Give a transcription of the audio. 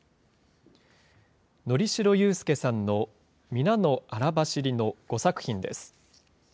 乗代雄介さんの皆のあらばしりの５作品です。